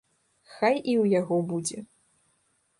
Хай і ў яго будзе!